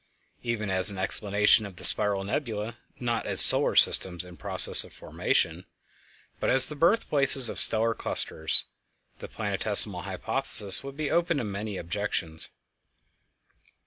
Even as an explanation of the spiral nebulæ, not as solar systems in process of formation, but as the birthplaces of stellar clusters, the Planetesimal Hypothesis would be open to many objections.